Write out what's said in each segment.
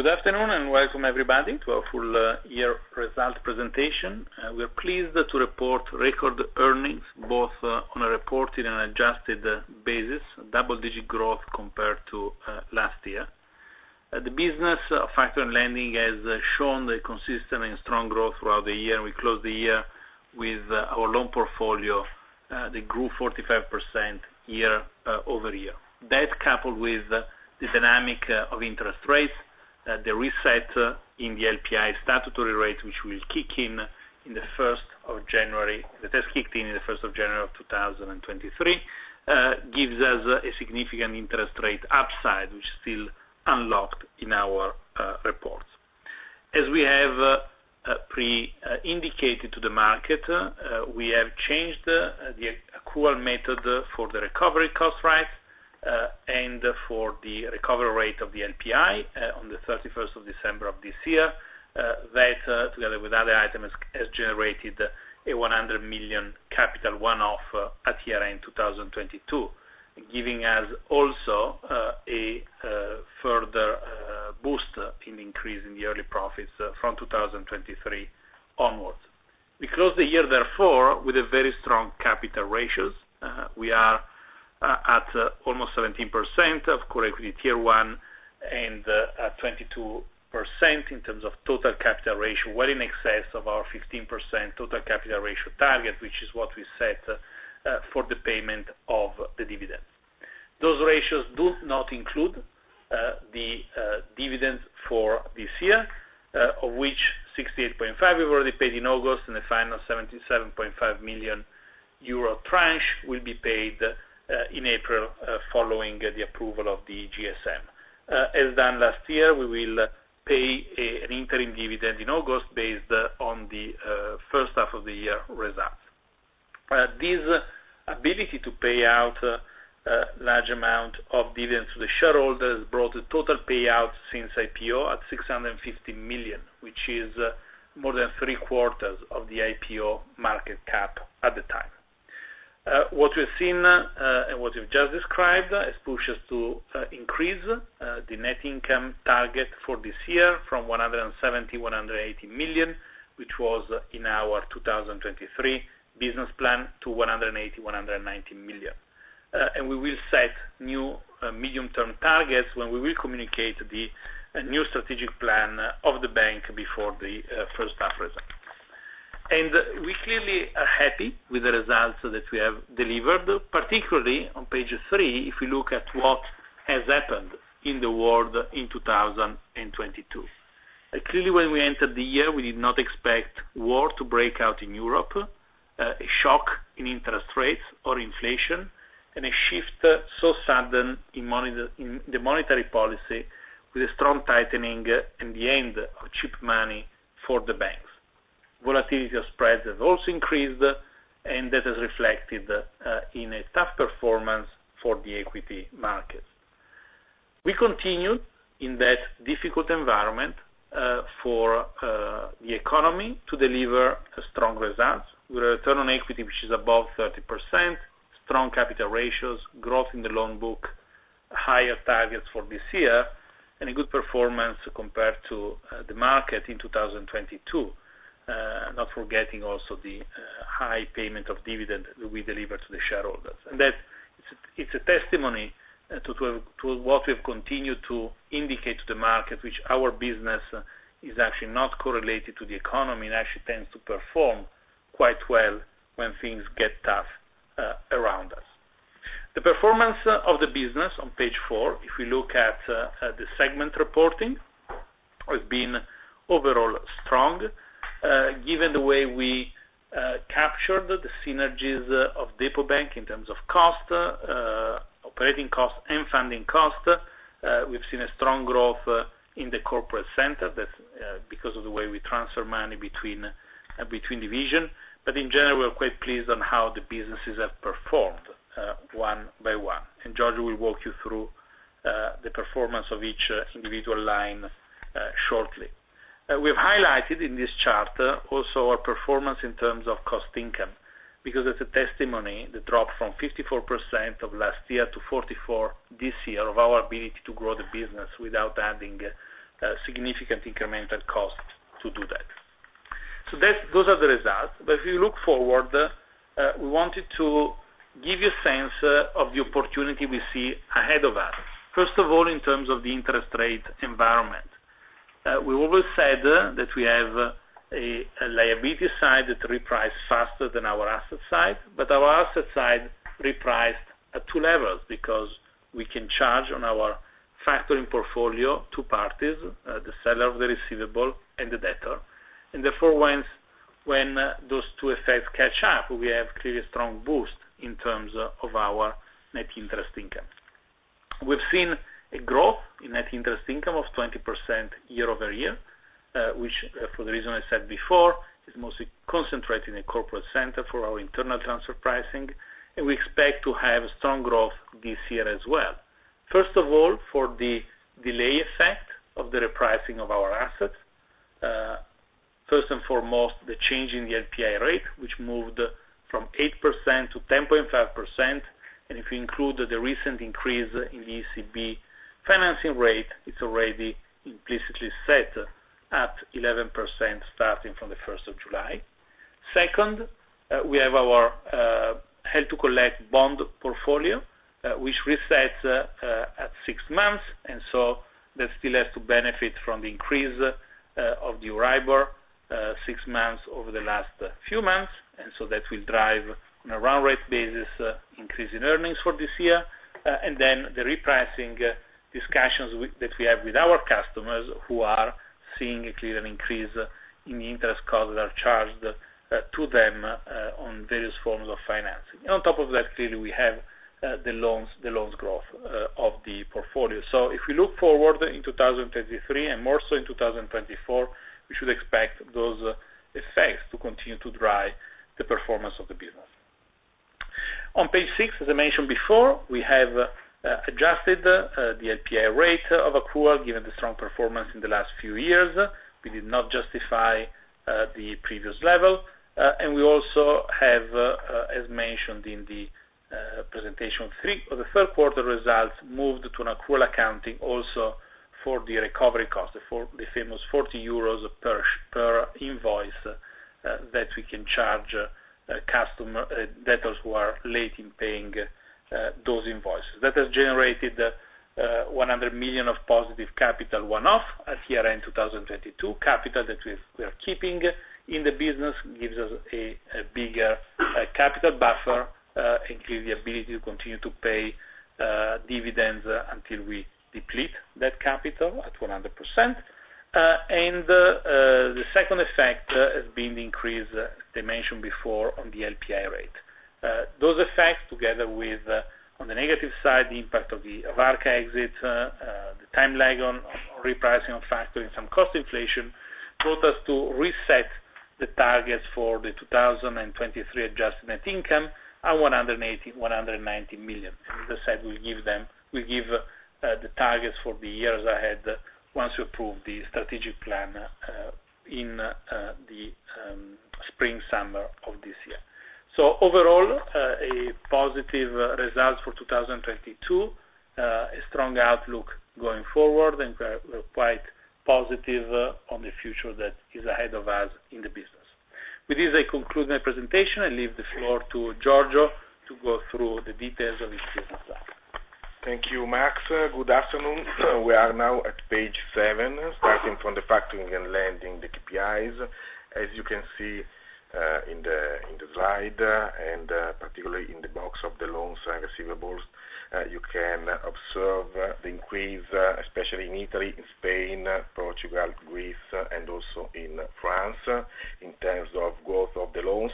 Good afternoon, and welcome everybody to our full year result presentation. We're pleased to report record earnings both on a reported and adjusted basis, double-digit growth compared to last year. The business factoring lending has shown a consistent and strong growth throughout the year, and we closed the year with our loan portfolio that grew 45% year-over-year. That coupled with the dynamic of interest rates, the reset in the NPI statutory rate, which will kick in the 1st of January. That has kicked in in the 1st of January of 2023, gives us a significant interest rate upside, which is still unlocked in our reports. As we have indicated to the market, we have changed the accrual method for the recovery cost price, and for the recovery rate of the NPI, on the 31st of December of this year. That together with other items has generated a 100 million capital one-off at year-end 2022, giving us also a further boost in increasing the yearly profits from 2023 onwards. We closed the year therefore with a very strong capital ratios. We are at almost 17% of core equity tier one and at 22% in terms of total capital ratio, well in excess of our 15% total capital ratio target, which is what we set for the payment of the dividend. Those ratios do not include the dividends for this year, of which 68.5 we've already paid in August, and the final 77.5 million euro tranche will be paid in April, following the approval of the GSM. As done last year, we will pay an interim dividend in August based on the first half of the year results. This ability to pay out large amount of dividends to the shareholders brought the total payout since IPO at 650 million, which is more than three-quarters of the IPO market cap at the time. What we've seen, and what we've just described has pushed us to increase the net income target for this year from 170 million-180 million, which was in our 2023 business plan, to 180 million-190 million. We will set new medium-term targets when we will communicate the new strategic plan of the bank before the first half results. We clearly are happy with the results that we have delivered, particularly on page three, if we look at what has happened in the world in 2022. Clearly, when we entered the year, we did not expect war to break out in Europe, a shock in interest rates or inflation, and a shift so sudden in the monetary policy with a strong tightening in the end of cheap money for the banks. Volatility of spreads has also increased. That is reflected in a tough performance for the equity market. We continued in that difficult environment for the economy to deliver a strong result with a return on equity which is above 30%, strong capital ratios, growth in the loan book, higher targets for this year, and a good performance compared to the market in 2022. Not forgetting also the high payment of dividend we deliver to the shareholders. That it's a testimony to what we've continued to indicate to the market, which our business is actually not correlated to the economy. It actually tends to perform quite well when things get tough around us. The performance of the business on page four, if we look at the segment reporting, has been overall strong. Given the way we captured the synergies of DEPOBank in terms of cost, operating cost and funding cost, we've seen a strong growth in the corporate center. That's because of the way we transfer money between division. In general, we're quite pleased on how the businesses have performed one by one. Giorgio will walk you through the performance of each individual line shortly. We've highlighted in this chart also our performance in terms of cost income, because it's a testimony, the drop from 54% of last year to 44% this year of our ability to grow the business without adding significant incremental cost to do that. Those are the results. If you look forward, we wanted to give you a sense of the opportunity we see ahead of us. First of all, in terms of the interest rate environment. We always said that we have a liability side that reprice faster than our asset side, but our asset side repriced at two levels because we can charge on our factoring portfolio two parties, the seller, the receivable, and the debtor. Therefore, when those two effects catch up, we have clearly a strong boost in terms of our net interest income. We've seen a growth in net interest income of 20% year-over-year, which for the reason I said before, is mostly concentrated in a corporate center for our internal transfer pricing, and we expect to have strong growth this year as well. First and foremost, the change in the NPI rate, which moved from 8% to 10.5%. If you include the recent increase in the ECB financing rate, it's already implicitly set at 11% starting from the first of July. Second, we have our held to collect bond portfolio, which resets at six months, and so that still has to benefit from the increase of the Euribor 6 months over the last few months. That will drive on a run rate basis, increase in earnings for this year. The repricing discussions that we have with our customers who are seeing a clear increase in the interest costs that are charged to them on various forms of financing. On top of that, clearly, we have the loans growth of the portfolio. If we look forward in 2023, and more so in 2024, we should expect those effects to continue to drive the performance of the business. On page six, as I mentioned before, we have adjusted the NPI rate of accrual, given the strong performance in the last few years. We did not justify the previous level. And we also have, as mentioned in the presentation three for the third quarter results, moved to an accrual accounting also for the recovery cost, for the famous 40 euros per invoice that we can charge a customer, debtors who are late in paying those invoices. That has generated 100 million of positive capital, one-off at year-end 2022. Capital that we're keeping in the business, gives us a bigger capital buffer, includes the ability to continue to pay dividends until we deplete that capital at 100%. The second effect has been the increase, as they mentioned before, on the NPI rate. Those effects, together with, on the negative side, the impact of the Arca exit, the time lag on repricing of factoring some cost inflation, brought us to reset the targets for the 2023 adjustment income at 180 million-190 million. As I said, we give the targets for the years ahead once we approve the strategic plan in the spring, summer of this year. Overall, a positive result for 2022. A strong outlook going forward, and we're quite positive on the future that is ahead of us in the business. With this, I conclude my presentation. I leave the floor to Jojo to go through the details of his business life. Thank you, Max. Good afternoon. We are now at page seven, starting from the factoring and lending the KPIs. As you can see, in the slide, and particularly in the box of the loans and receivables, you can observe the increase, especially in Italy, in Spain, Portugal, Greece, and also in France, in terms of growth of the loans,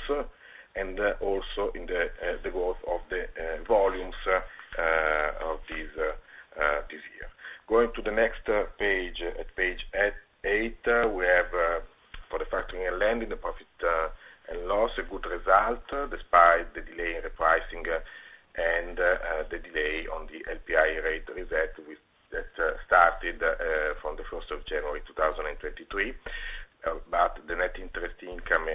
and also in the growth of the volumes of this year. Going to the next page, at page eight, we have for the factoring and lending the profit and loss, a good result despite the delay in the pricing and the delay on the NPI rate reset that started from the first of January 2023. The net interest income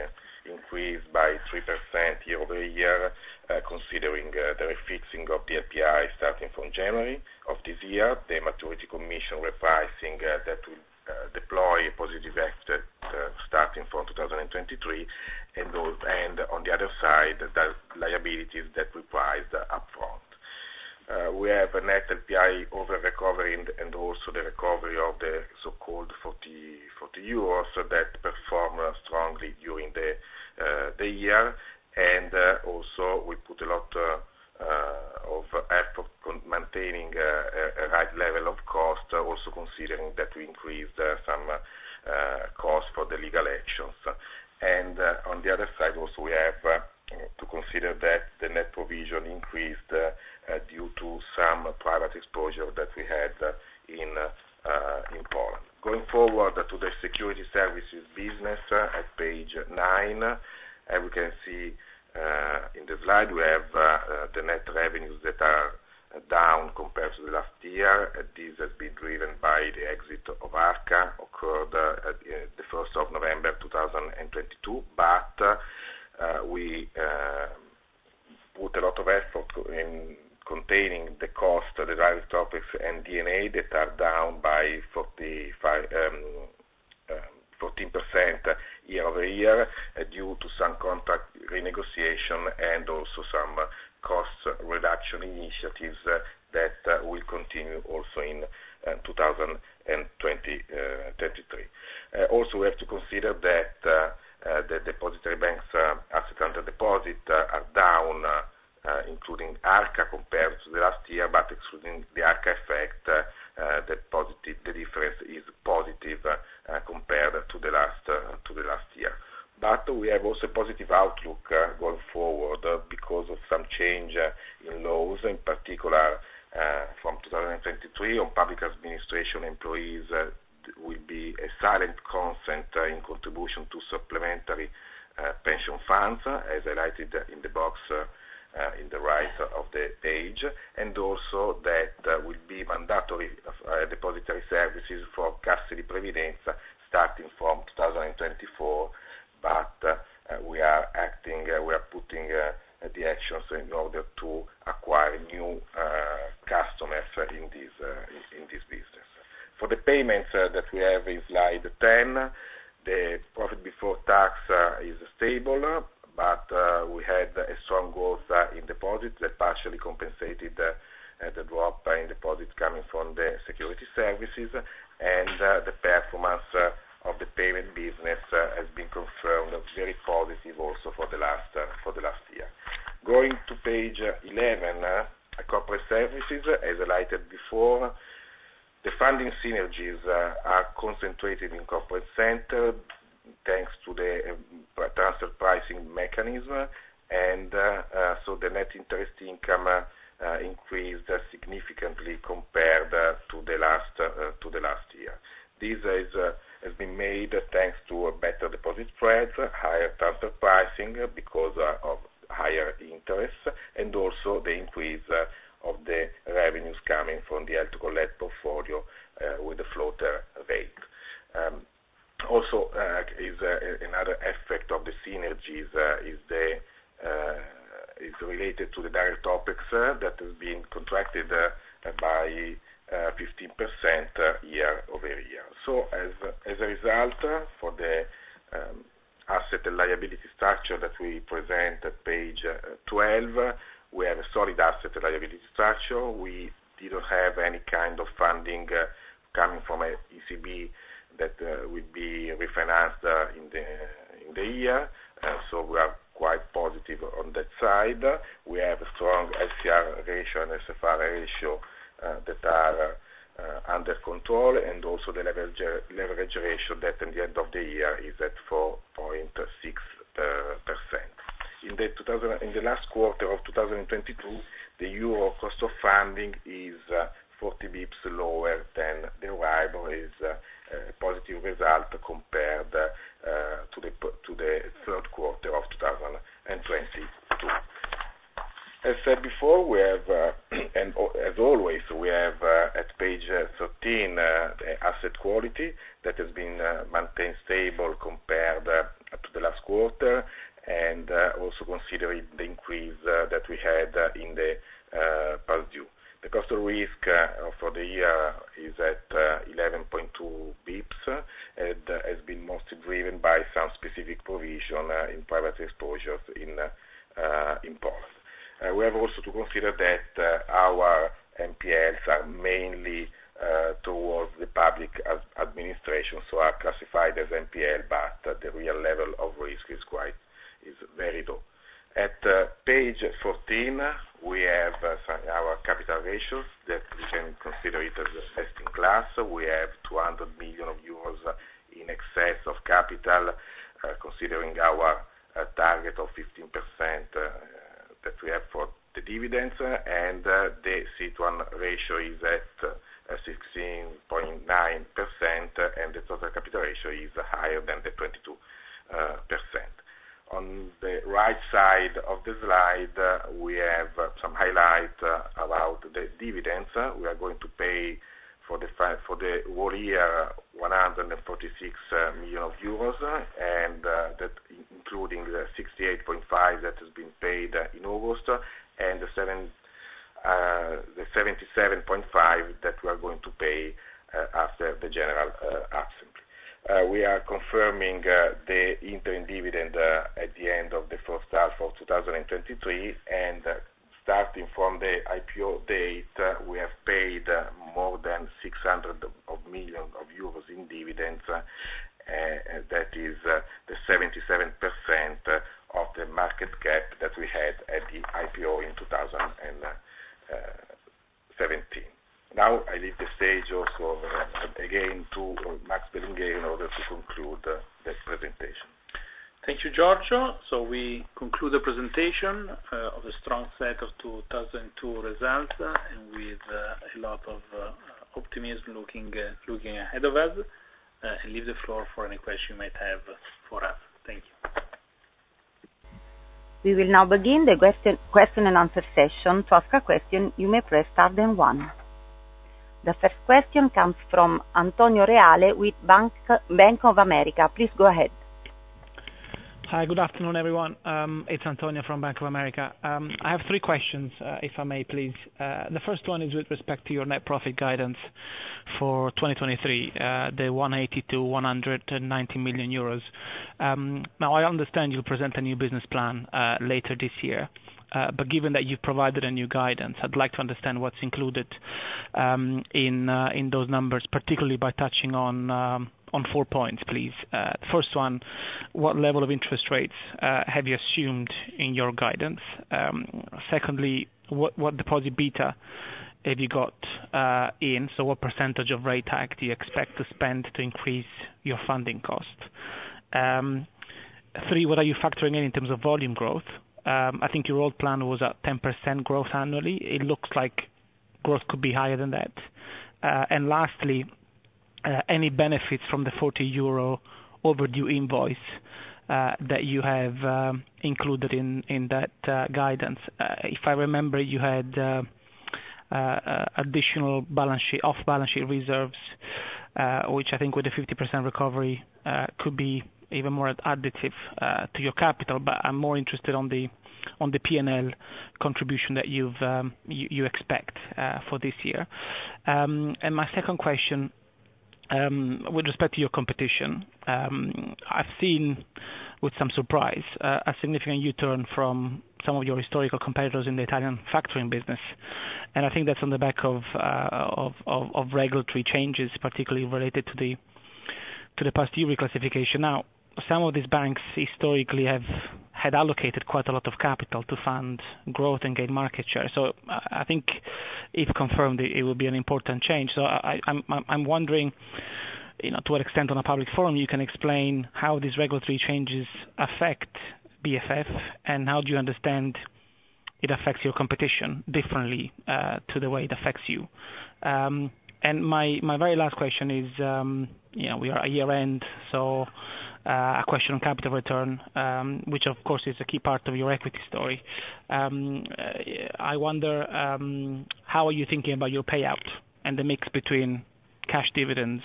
increased by 3% year-over-year, considering the refixing of the NPI starting from January of this year, the maturity commission repricing that will deploy a positive effect starting from 2023. On the other side, the liabilities that repriced upfront. We have a net NPI overrecovery and also the recovery of the so-called 40 euros that perform strongly during the year. Also, we put a lot of effort on maintaining a high level of cost, also considering that we increased some cost for the legal actions. On the other side also, we have to consider that the net provision increased due to some private exposure that we had in Poland. Going forward to the security services business at page nine, we can see in the slide, we have the net revenues that are down compared to the last year. This has been driven by the exit of Arca occurred at the 1st of November 2022. We put a lot of effort in containing the cost derived topics and D&A that are down by 45, 14% year-over-year, due to some contract renegotiation and also some cost reduction initiatives that will continue also in 2033. Also, we have to consider that the depositary banks asset under deposit are down, including Arca compared to the last year. Excluding the Arca effect, the difference is positive compared to the last year. We have also positive outlook going forward because of some change in laws, in particular, from 2023 on public administration employees will be a silent constant in contribution to security-Supplementary pension funds, as highlighted in the box in the right of the page. Also that will be mandatory of depository services for Cassa di Previdenza starting from 2024. We are acting, we are putting the actions in order to acquire new customers in this business. For the payments that we have in slide ten, the profit before tax is stable, but we had a strong growth in deposits that partially compensated the drop in deposits coming from the security services. The performance of the payment business has been confirmed very positive also for the last for the last year. Going to page eleven. Corporate services, as highlighted before, the funding synergies are concentrated in corporate centers, thanks to the funding is 40 bps lower than the WIBOR, is a positive result compared to the third quarter of 2022. As said before, we have and as always, Starting from the IPO date, we have paid more than 600 million euros in dividends. That is the 77% of the market cap that we had at the IPO in 2017. Now I leave the stage also again to Max Belingheri in order to conclude this presentation. Thank you, Jojo. We conclude the presentation of a strong set of 2002 results, and with a lot of optimism looking ahead of us. I leave the floor for any questions you might have for us. Thank you. We will now begin the question and answer session. To ask a question, you may press star then one. The first question comes from Antonio Reale with Bank of America. Please go ahead. Hi. Good afternoon, everyone. It's Antonio from Bank of America. I have three questions, if I may, please. The first one is with respect to your net profit guidance for 2023, the 180 million-190 million euros. I understand you'll present a new business plan later this year. Given that you've provided a new guidance, I'd like to understand what's included in those numbers, particularly by touching on four points, please. First one, what level of interest rates have you assumed in your guidance? Secondly, what deposit beta have you got in? What percentage of rate hike do you expect to spend to increase your funding costs? Three, what are you factoring in in terms of volume growth? I think your old plan was at 10% growth annually. Growth could be higher than that. Lastly, any benefits from the 40 euro overdue invoice that you have included in that guidance. If I remember, you had additional balance sheet, off-balance sheet reserves, which I think with the 50% recovery could be even more additive to your capital. I'm more interested on the P&L contribution that you've you expect for this year. My second question with respect to your competition. I've seen with some surprise a significant U-turn from some of your historical competitors in the Italian factoring business. I think that's on the back of regulatory changes, particularly related to the past due reclassification. Some of these banks historically have had allocated quite a lot of capital to fund growth and gain market share. I think if confirmed, it will be an important change. I'm wondering, you know, to what extent on a public forum you can explain how these regulatory changes affect BFF, and how do you understand it affects your competition differently to the way it affects you. My very last question is, you know, we are a year-end, so a question on capital return, which of course, is a key part of your equity story. I wonder how are you thinking about your payout and the mix between cash dividends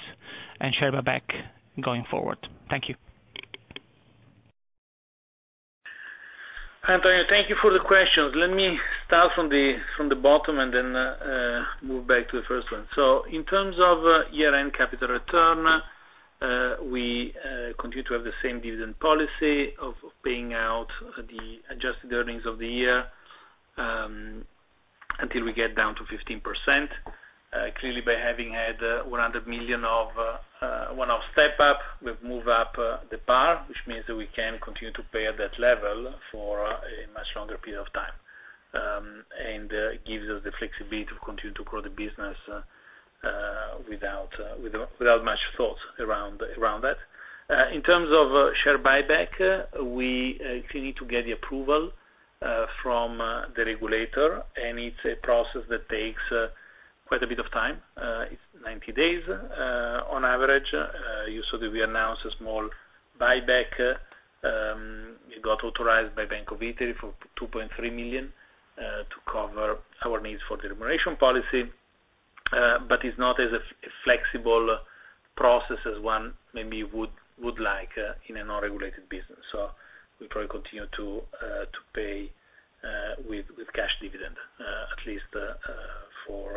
and share buyback going forward? Thank you. Antonio, thank you for the questions. Let me start from the bottom and then move back to the first one. In terms of year-end capital return, we continue to have the same dividend policy of paying out the adjusted earnings of the year until we get down to 15%. Clearly by having had 100 million of one-off step up, we've moved up the bar, which means that we can continue to pay at that level for a much longer period of time. It gives us the flexibility to continue to grow the business without much thought around that. In terms of share buyback, we actually need to get the approval from the regulator, it's a process that takes quite a bit of time, it's 90 days on average. You saw that we announced a small buyback. It got authorized by Bank of Italy for 2.3 million to cover our needs for the remuneration policy. It's not as a flexible process as one maybe would like in an unregulated business. We probably continue to pay with cash dividend at least for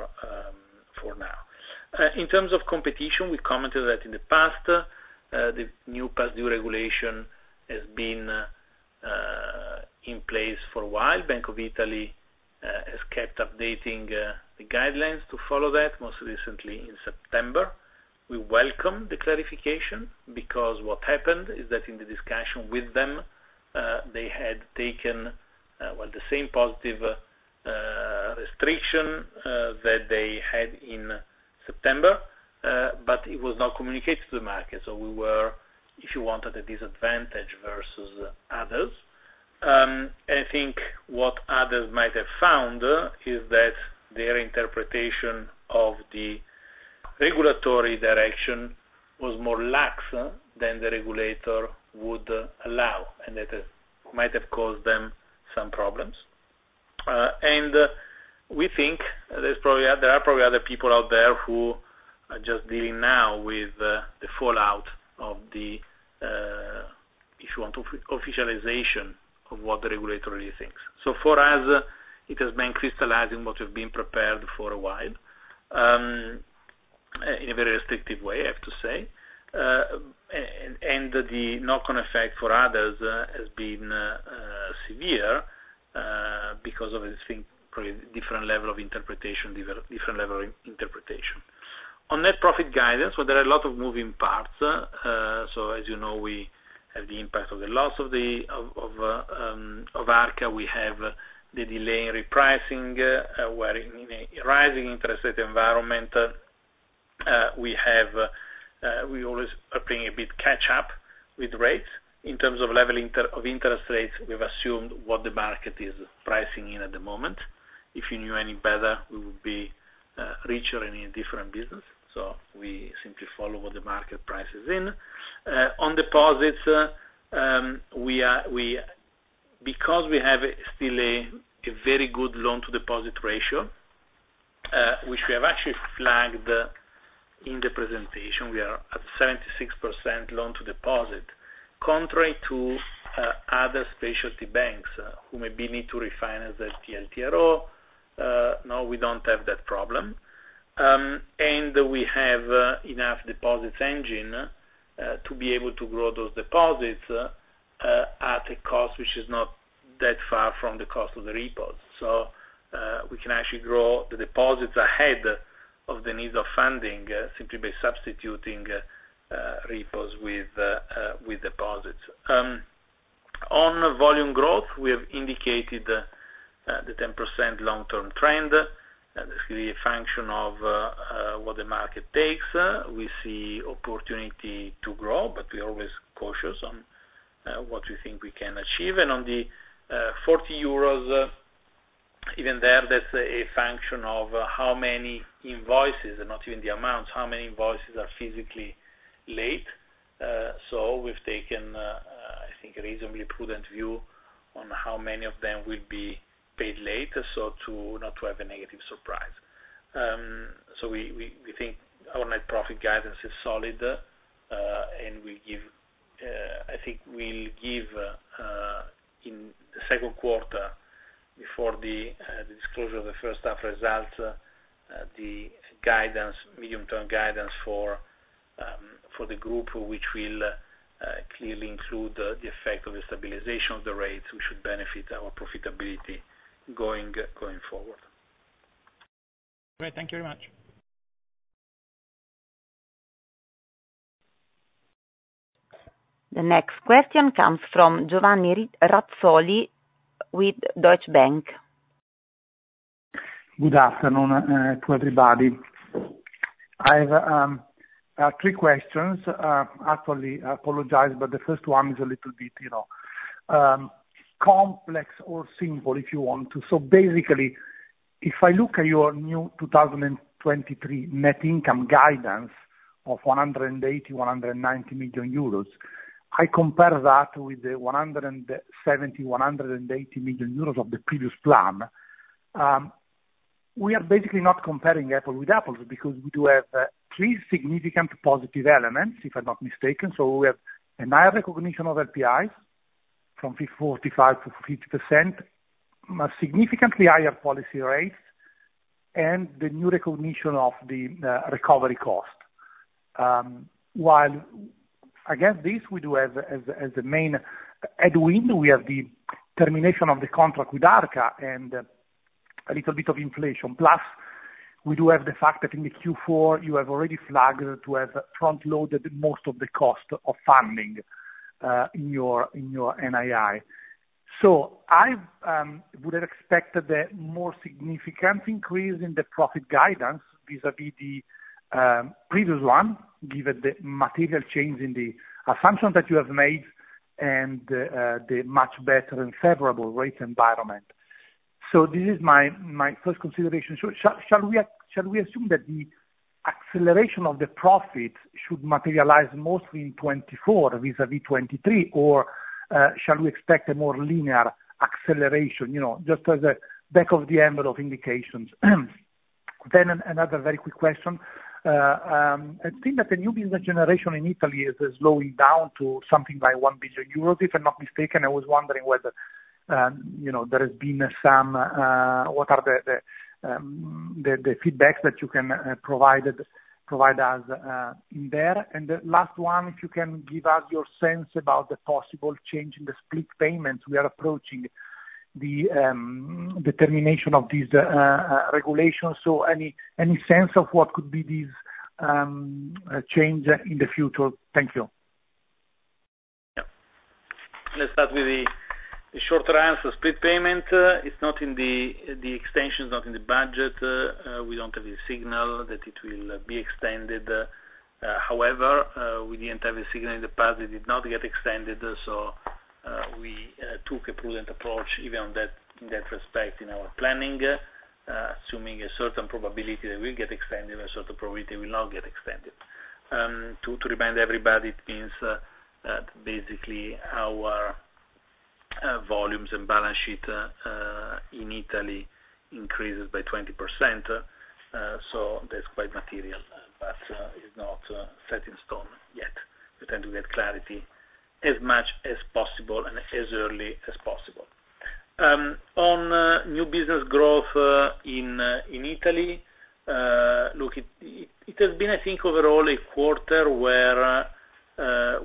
now. In terms of competition, we commented that in the past, the new past due regulation has been in place for a while. Bank of Italy has kept updating the guidelines to follow that, most recently in September. We welcome the clarification because what happened is that in the discussion with them, they had taken, well, the same positive restriction, that they had in September, but it was not communicated to the market. We were, if you want, at a disadvantage versus others. I think what others might have found is that their interpretation of the regulatory direction was more lax than the regulator would allow, and that has might have caused them some problems. We think there's probably, there are probably other people out there who are just dealing now with the fallout of the, if you want, of officialization of what the regulatory thinks. For us, it has been crystallizing what we've been prepared for a while, in a very restrictive way, I have to say. The knock-on effect for others has been severe because of this thing, probably different level of interpretation. On net profit guidance, there are a lot of moving parts. As you know, we have the impact of the loss of the of Arca. We have the delay in repricing. We're in a rising interest rate environment. We have, we always are playing a bit catch up with rates. In terms of level of interest rates, we've assumed what the market is pricing in at the moment. If you knew any better, we would be richer and in different business. We simply follow what the market price is in. On deposits, We have still a very good loan-to-deposit ratio, which we have actually flagged in the presentation. We are at 76% loan-to-deposit, contrary to other specialty banks, who maybe need to refinance their TLTRO. No, we don't have that problem. We have enough deposits engine to be able to grow those deposits at a cost which is not that far from the cost of the repos. We can actually grow the deposits ahead of the needs of funding, simply by substituting repos with deposits. On volume growth, we have indicated the 10% long-term trend. That is really a function of what the market takes, we see opportunity to grow, but we're always cautious on what we think we can achieve. On the 40 euros, even there, that's a function of how many invoices, and not even the amounts, how many invoices are physically late. We've taken, I think, a reasonably prudent view on how many of them will be paid late, so to not to have a negative surprise. We think our net profit guidance is solid. We give, I think we'll give, in the second quarter before the disclosure of the first half result, the guidance, medium-term guidance for the group, which will clearly include the effect of the stabilization of the rates, which should benefit our profitability going forward. Great. Thank you very much. The next question comes from Giovanni Razzoli with Deutsche Bank. Good afternoon to everybody. I have three questions. Actually, I apologize, the first one is a little bit, you know, complex or simple if you want to. Basically, if I look at your new 2023 net income guidance of 180 million-190 million euros, I compare that with the 170 million-180 million euros of the previous plan. We are basically not comparing apple with apples because we do have three significant positive elements, if I'm not mistaken. We have a higher recognition of RPI from 45%-50%, a significantly higher policy rates, and the new recognition of the recovery cost. While against this, we do have as a main headwind, we have the termination of the contract with Arca and a little bit of inflation. Plus, we do have the fact that in the Q4 you have already flagged to have front-loaded most of the cost of funding in your, in your NII. I would have expected a more significant increase in the profit guidance vis-à-vis the previous one, given the material change in the assumption that you have made and the much better and favorable rate environment. This is my first consideration. Shall we assume that the acceleration of the profit should materialize mostly in 2024 vis-à-vis 2023 or shall we expect a more linear acceleration, you know, just as a back of the envelope indications? Another very quick question. I think that the new business generation in Italy is slowing down to something by 1 billion euros, if I'm not mistaken. I was wondering whether, you know, there has been some, what are the feedbacks that you can provide us in there. The last one, if you can give us your sense about the possible change in the split payment. We are approaching the termination of these regulations. Any sense of what could be these change in the future? Thank you. Let's start with the short answer. Split payment is not in the extension is not in the budget. We don't have a signal that it will be extended. However, we didn't have a signal in the past. It did not get extended. We took a prudent approach even on that, in that respect in our planning, assuming a certain probability that it will get extended and a certain probability it will not get extended. To remind everybody, it means that basically our volumes and balance sheet in Italy increases by 20%. That's quite material, but it's not set in stone yet. We tend to get clarity as much as possible and as early as possible. On new business growth, in Italy, look, it has been, I think overall a quarter where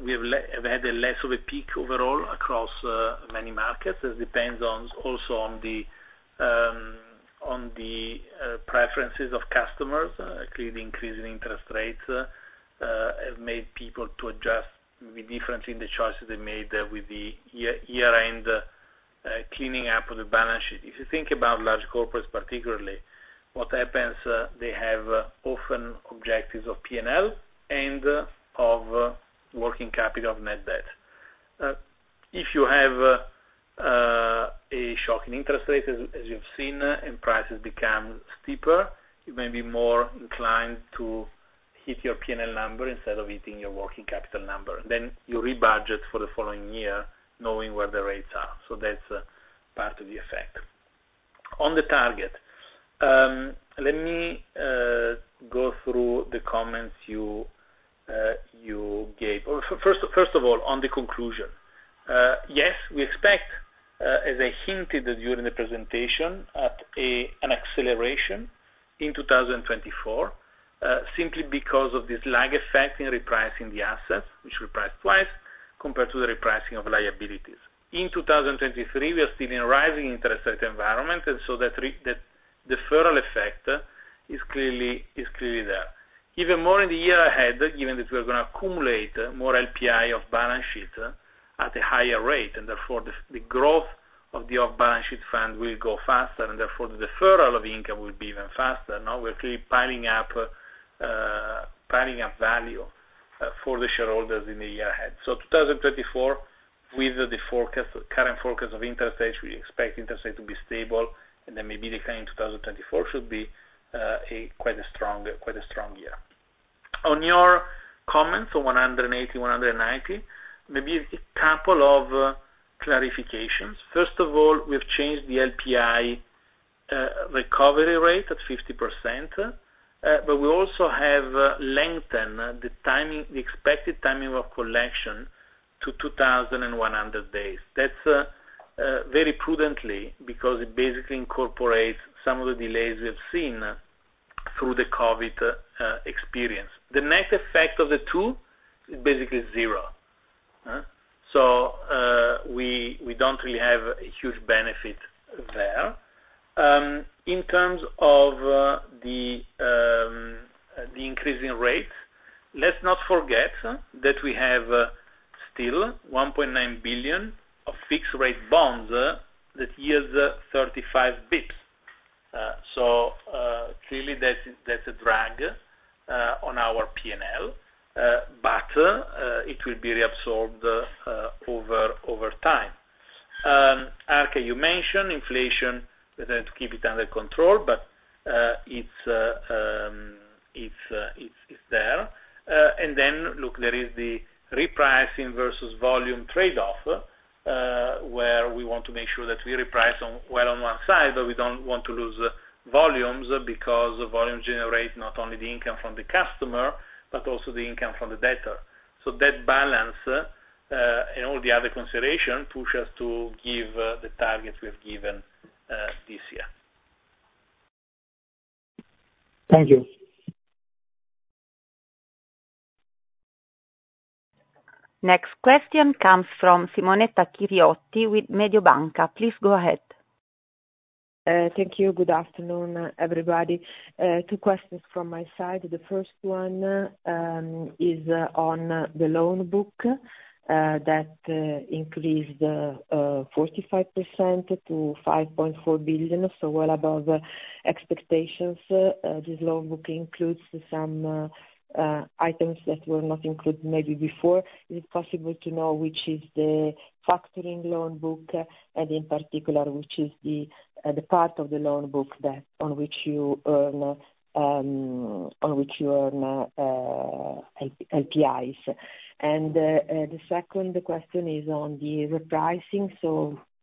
we had a less of a peak overall across many markets. It depends on also on the, on the preferences of customers. Clearly increasing interest rates have made people to adjust the difference in the choices they made with the year-end cleaning up of the balance sheet. If you think about large corporates particularly, what happens, they have often objectives of P&L and of working capital of net debt. If you have a shock in interest rates as you've seen, and prices become steeper, you may be more inclined to hit your P&L number instead of hitting your working capital number. You rebudget for the following year knowing where the rates are. That's part of the effect. On the target, let me go through the comments you gave. First of all, on the conclusion, yes, we expect, as I hinted during the presentation, an acceleration in 2024 simply because of this lag effect in repricing the assets, which reprice twice compared to the repricing of liabilities. In 2023, we are still in a rising interest rate environment, the deferral effect is clearly there. Even more in the year ahead, given that we are going to accumulate more RPI of balance sheet at a higher rate, and therefore the growth of the off-balance sheet fund will go faster, and therefore the deferral of the income will be even faster. Now we're clearly piling up, piling up value for the shareholders in the year ahead. 2024, with the forecast, current forecast of interest rates, we expect interest rates to be stable and then maybe decline in 2024 should be a quite a strong, quite a strong year. On your comments on 180, 190, maybe a couple of clarifications. First of all, we've changed the LPI recovery rate at 50%, but we also have lengthened the timing, the expected timing of collection to 2,100 days. That's very prudently because it basically incorporates some of the delays we have seen through the COVID experience. The net effect of the two is basically zero. Huh. We, we don't really have a huge benefit there. In terms of the increasing rates, let's not forget that we have still 1.9 billion of fixed rate bonds that yields 35 bps. Clearly that's a drag on our P&L, but it will be reabsorbed over time. Elke, you mentioned inflation. We tend to keep it under control, but it's there. Look, there is the repricing versus volume trade-off, where we want to make sure that we reprice on, well, on one side, but we don't want to lose volumes because volume generates not only the income from the customer, but also the income from the debtor. That balance and all the other considerations push us to give the targets we have given this year. Thank you. Next question comes from Simonetta Chiriotti with Mediobanca. Please go ahead. Thank you. Good afternoon, everybody. Two questions from my side. The first one is on the loan book that increased 45% to 5.4 billion, so well above expectations. This loan book includes some items that were not included maybe before. Is it possible to know which is the factoring loan book, and in particular, which is the part of the loan book that on which you earn LPIs? The second question is on the repricing.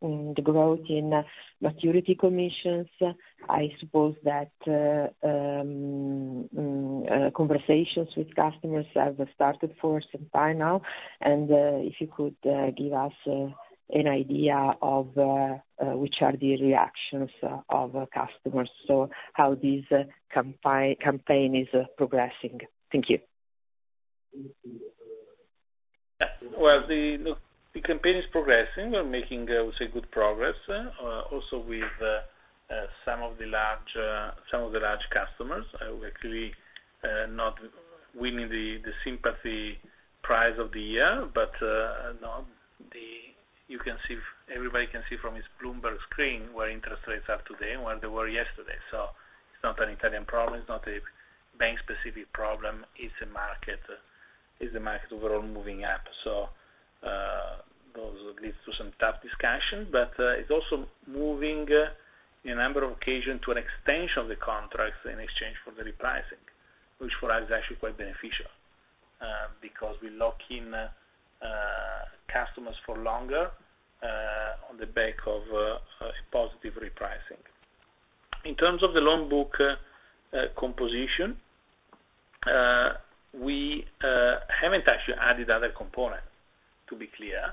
The growth in maturity commissions, I suppose that conversations with customers have started for some time now. If you could give us an idea of which are the reactions of customers, how this campaign is progressing. Thank you. Well, the campaign is progressing. We're making, I would say, good progress, also with some of the large, some of the large customers. We're actually not winning the sympathy prize of the year. No, everybody can see from his Bloomberg screen where interest rates are today, and where they were yesterday. It's not an Italian problem, it's not a bank-specific problem, it's a market, it's the market overall moving up. Those leads to some tough discussion. It's also moving, in a number of occasions, to an extension of the contracts in exchange for the repricing, which for us is actually quite beneficial, because we lock in customers for longer on the back of a positive repricing. In terms of the loan book composition, we haven't actually added other components, to be clear.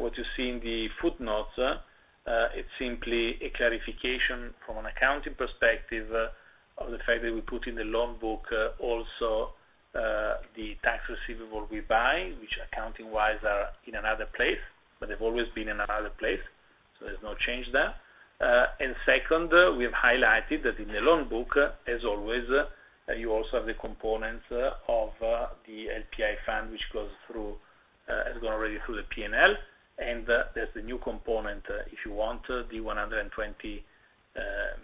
What you see in the footnotes, it's simply a clarification from an accounting perspective of the fact that we put in the loan book also the tax receivable we buy, which accounting-wise are in another place, but they've always been in another place, so there's no change there. Second, we have highlighted that in the loan book, as always, you also have the components of the LPI fund, which goes through, has gone already through the P&L. There's the new component, if you want, the 120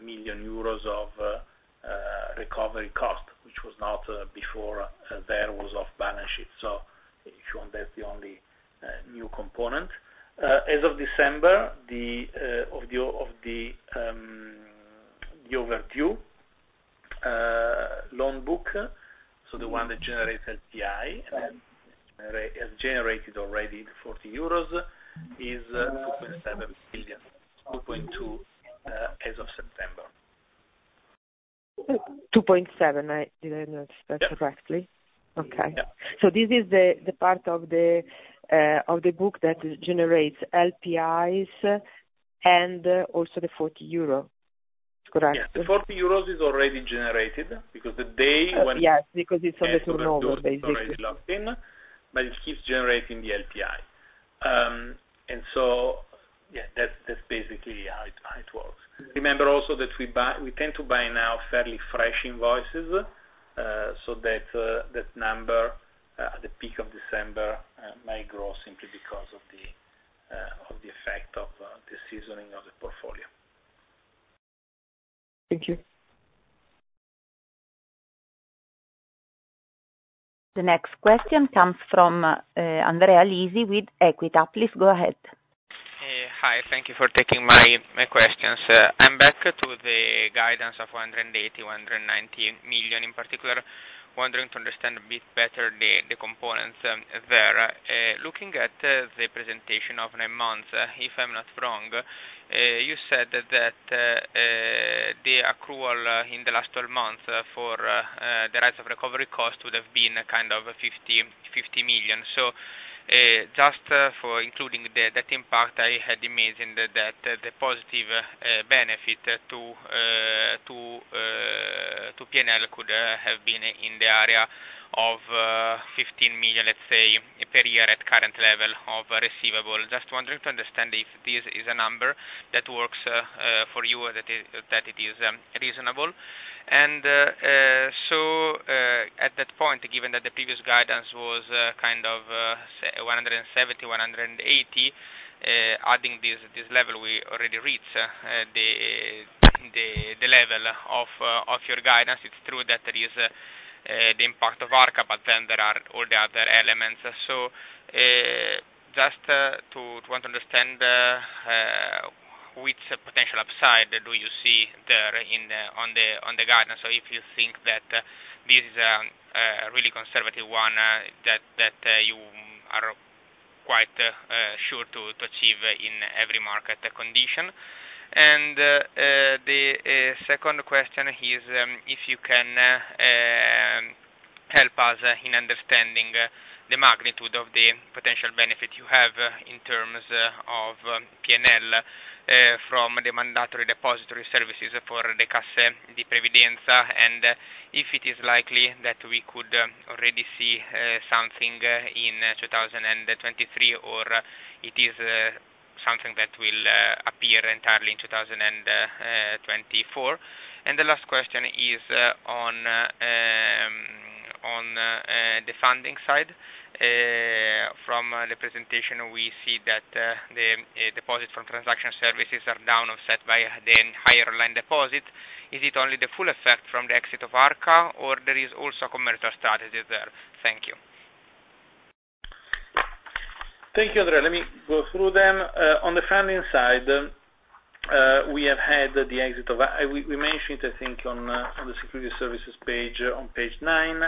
million euros of recovery cost, which was not before there, was off balance sheet. If you want, that's the only new component. As of December, the, of the, of the overdue, loan book, so the one that generates LPI, and has generated already the 40 euros, is 2.7 billion euros, 2.2 billion, as of September. 2.7. I didn't understand correctly. Yeah. Okay. Yeah. This is the part of the book that generates LPIs and also the 40 euro, correct? Yeah. The 40 euros is already generated because the day when. Yes, because it's on the turnover basically. It's already locked in, but it keeps generating the LPI. Yeah, that's basically how it works. Remember also that we tend to buy now fairly fresh invoices, so that that number at the peak of December may grow simply because of the effect of the seasoning of the portfolio. Thank you. The next question comes from, Andrea Lisi with Equita. Please go ahead. Hi. Thank you for taking my questions. I'm back to the guidance of 180 million-190 million in particular. Wondering to understand a bit better the components there. Looking at the presentation of nine months, if I'm not wrong, you said that the accrual in the last 12 months for the rights of recovery cost would have been kind of 50 million. Just for including that impact, I had imagined that the positive benefit to PNL could have been in the area of 15 million, let's say, per year at current level of receivable. Just wondering to understand if this is a number that works for you or that it is reasonable. At that point, given that the previous guidance was kind of 170, 180, adding this level we already reached the level of your guidance. It's true that there is the impact of Arca, there are all the other elements. Just to want to understand which potential upside do you see there on the guidance, or if you think that this is really conservative one that you are quite sure to achieve in every market condition. The second question is, if you can help us in understanding the magnitude of the potential benefit you have in terms of PNL from the mandatory depository services for the Cassa di Previdenza, and if it is likely that we could already see something in 2023, or it is something that will appear entirely in 2024. The last question is on the funding side. From the presentation, we see that the deposits from transaction services are down offset by the higher line deposit. Is it only the full effect from the exit of Arca or there is also commercial strategy there? Thank you. Thank you, Andrea. Let me go through them. On the funding side, we mentioned, I think, on the security services page on page nine,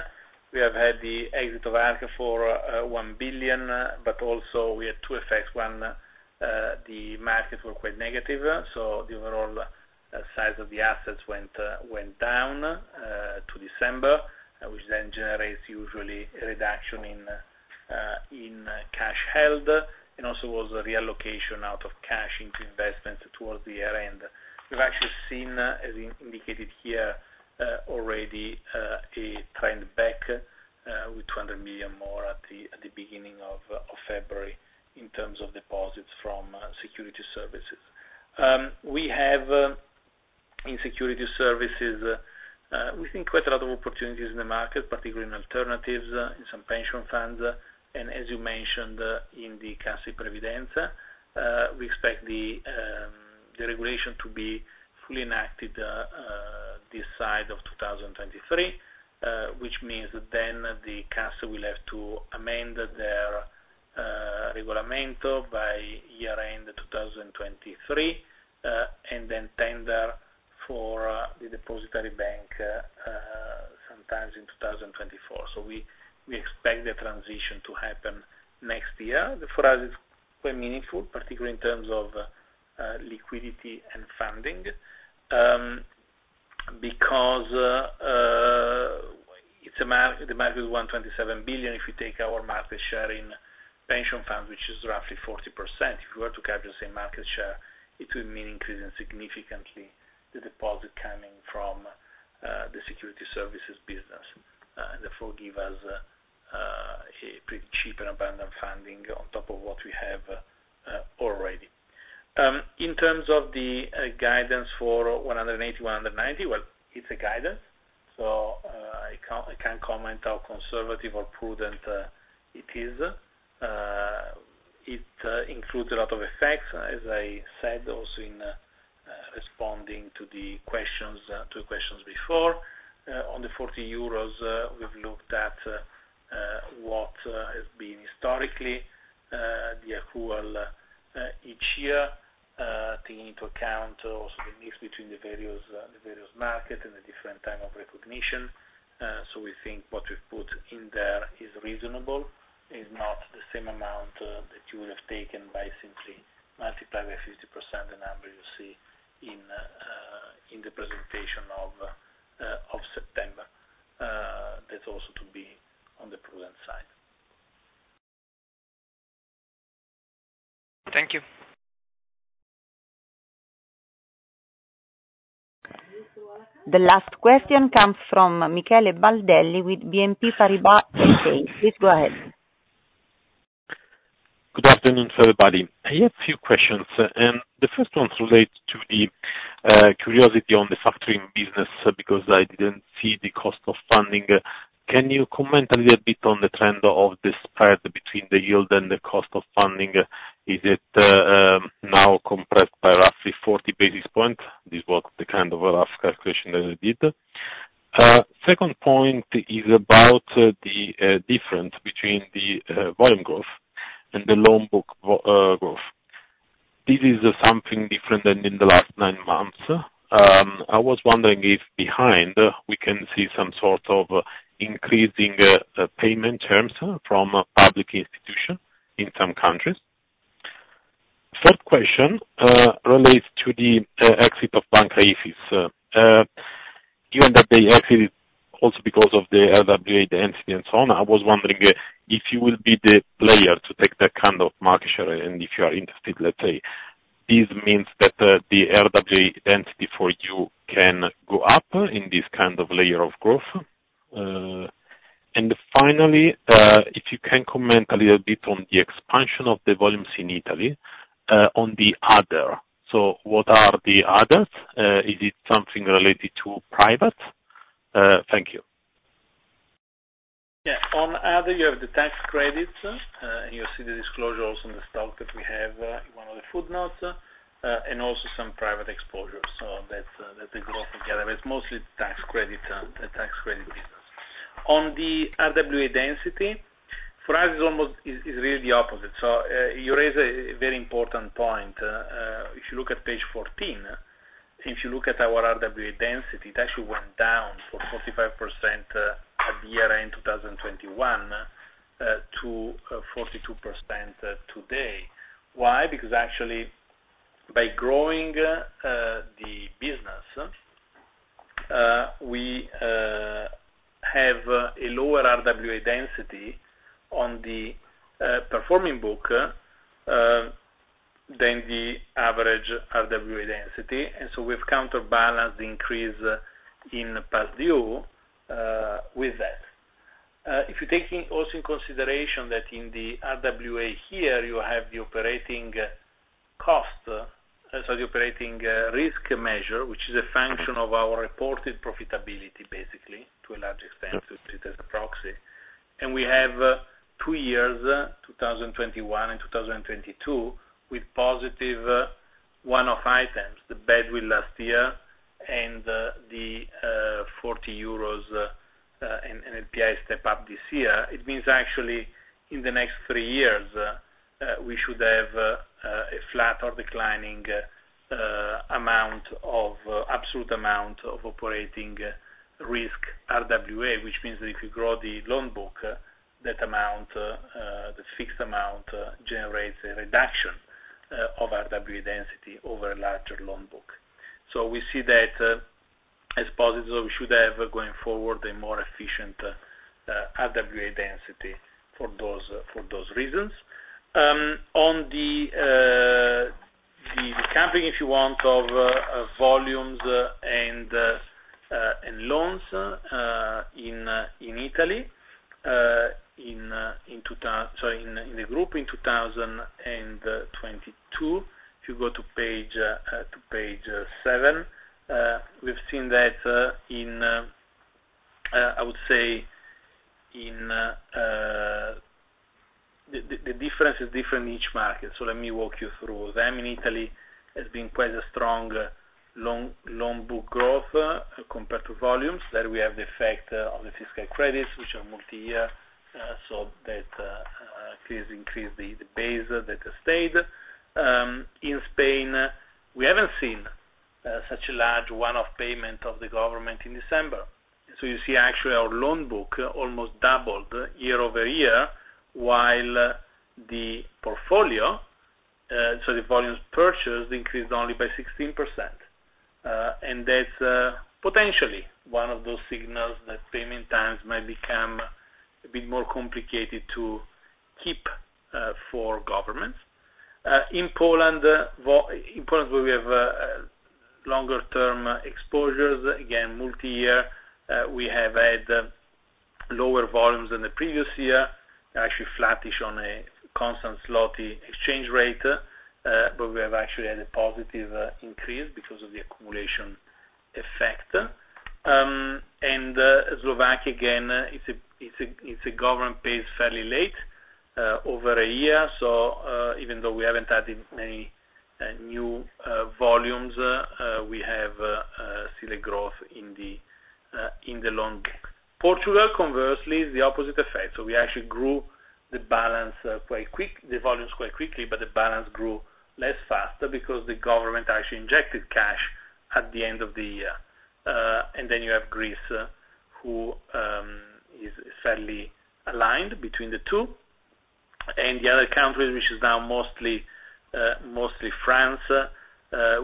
we have had the exit of Arca for 1 billion, also we had two effects. One, the markets were quite negative, the overall size of the assets went down to December, which generates usually a reduction in cash held, also was a reallocation out of cash into investments towards the year-end. We've actually seen, as indicated here, already a trend back with 200 million more at the beginning of February in terms of deposits from security services. We have, in security services, we think quite a lot of opportunities in the market, particularly in alternatives, in some pension funds, and as you mentioned in the Cassa di Previdenza, we expect the regulation to be fully enacted this side of 2023, which means then the Cassa will have to amend their regolamento by year-end 2023, and then tender for the depository bank sometimes in 2024. We expect the transition to happen next year. For us, it's quite meaningful, particularly in terms of liquidity and funding, because the market is 127 billion. If you take our market share in pension funds, which is roughly 40%, if you were to capture the same market share, it would mean increasing significantly the deposit coming from the security services business, and therefore give us a pretty cheap and abundant funding on top of what we have already. In terms of the guidance for 180, 190, well, it's a guidance, so I can't comment how conservative or prudent it is. It includes a lot of effects, as I said also in responding to the questions, two questions before. On the 40 euros, we've looked at what has been historically the accrual each year, taking into account also the mix between the various, the various markets and the different time of recognition. We think what we put in there is reasonable. It's not the same amount that you would have taken by simply multiplying by 50% the number you see in the presentation of September. That's also to be on the prudent side. Thank you. The last question comes from Michele Baldelli with BNP Paribas. Please go ahead. Good afternoon, everybody. I have few questions. The first one relates to the curiosity on the factoring business because I didn't see the cost of funding. Can you comment a little bit on the trend of this spread between the yield and the cost of funding? Is it now compressed by roughly 40 basis points? This was the kind of rough calculation that I did. Second point is about the difference between the volume growth and the loan book growth. This is something different than in the last nine months. I was wondering if behind we can see some sort of increasing payment terms from public institution in some countries. Third question relates to the exit of Banca Ifis. Given that the exit is also because of the RWA, the entity and so on, I was wondering if you will be the player to take that kind of market share, and if you are interested, let's say. This means that the RWA entity for you can go up in this kind of layer of growth. Finally, if you can comment a little bit on the expansion of the volumes in Italy, on the other. What are the others? Is it something related to private? Thank you. Yeah. On other, you have the tax credits, and you'll see the disclosures in the stock that we have, in one of the footnotes, and also some private exposure. That's a growth together. It's mostly tax credit, tax credit business. On the RWA density, for us is really the opposite. You raise a very important point. If you look at page 14, if you look at our RWA density, it actually went down from 45% at the year-end 2021 to 42% today. Why? Because actually, by growing the business, we have a lower RWA density on the performing book than the average RWA density. We've counterbalanced the increase in past due with that. If you take in also in consideration that in the RWA here, you have the operating cost, sorry, operating risk measure, which is a function of our reported profitability, basically, to a large extent, we've treated as a proxy. We have two years, 2021 and 2022, with positive one-off items, the badwill last year and the EUR 40 in NPI step-up this year. It means actually in the next three years, we should have a flat or declining amount of, absolute amount of operating risk RWA, which means that if you grow the loan book, that amount, the fixed amount generates a reduction of RWA density over a larger loan book. We see that as positive. We should have going forward a more efficient RWA density for those reasons. On the camping, if you want, of volumes and loans in Italy, in the group in 2022. If you go to page seven, we've seen that in I would say in. The difference is different in each market. Let me walk you through them. In Italy has been quite a strong loan book growth compared to volumes. There we have the effect of the fiscal credits, which are multi-year, so that increase the base that stayed. In Spain, we haven't seen such a large one-off payment of the government in December. You see actually our loan book almost doubled year-over-year, while the portfolio, so the volumes purchased increased only by 16%. That's potentially one of those signals that payment times might become a bit more complicated to keep for governments. In Poland, we have longer term exposures, again, multi-year. We have had lower volumes than the previous year, actually flattish on a constant Zloty exchange rate, but we have actually had a positive increase because of the accumulation effect. Slovak again, it's a government pays fairly late over a year. Even though we haven't added any new volumes, we have seen a growth in the loan. Portugal, conversely, is the opposite effect. We actually grew the balance quite quick, the volumes quite quickly, but the balance grew less faster because the government actually injected cash at the end of the year. Then you have Greece, who is fairly aligned between the two. The other country, which is now mostly France,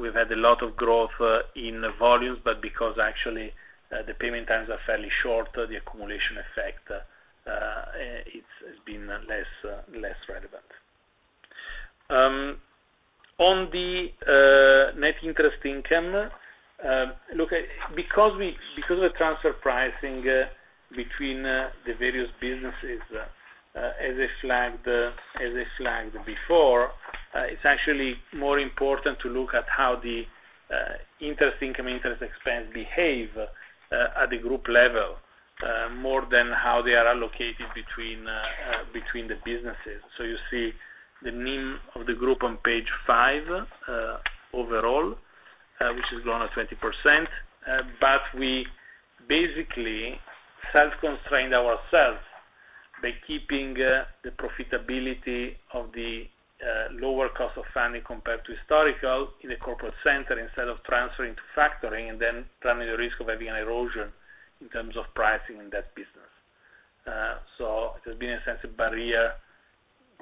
we've had a lot of growth in volumes, but because actually the payment times are fairly short, the accumulation effect, it's been less relevant. On the Net interest income. Look, because of the transfer pricing, between the various businesses, as I flagged before, it's actually more important to look at how the interest income, interest expense behave at the group level, more than how they are allocated between the businesses. You see the NIM of the group on page five, which has grown at 20%. We basically self-constrained ourselves by keeping the profitability of the lower cost of funding compared to historical in a corporate center instead of transferring to factoring and then running the risk of having an erosion in terms of pricing in that business. There's been a sense of barrier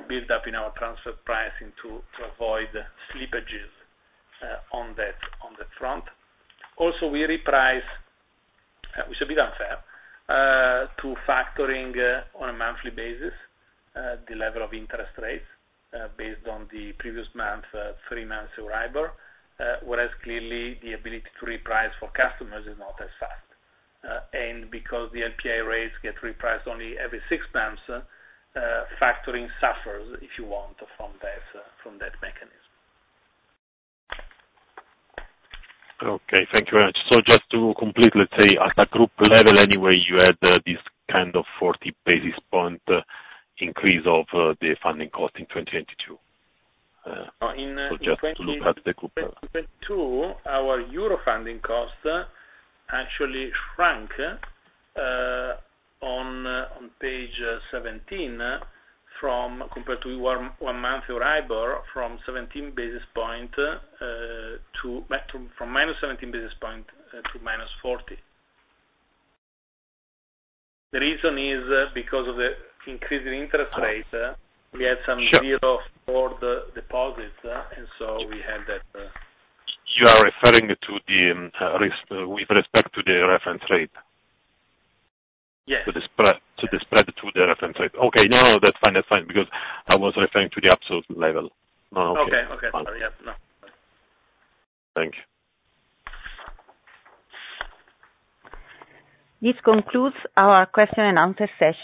build up in our transfer pricing to avoid slippages on that, on the front. Also, we reprice, which should be done fair, to factoring on a monthly basis, the level of interest rates, based on the previous month, three-month Euribor, whereas clearly the ability to reprice for customers is not as fast. Because the NPA rates get repriced only every six months, factoring suffers, if you want, from that mechanism. Okay, thank you very much. Just to complete, let's say at a group level, anyway, you had this kind of 40 basis point increase of the funding cost in 2022. Just to look at the group. In 2022, our EUR funding cost actually shrank on page 17 compared to one-month Euribor from -17 basis point to -40. The reason is because of the increasing interest rate, we had some build of more deposits, and so we had that. You are referring to the risk with respect to the reference rate? Yes. To the spread to the reference rate. Okay. No, that's fine. That's fine. I was referring to the absolute level. No, okay. Okay. Okay. Yeah. No. Thank you. This concludes our question and answer session.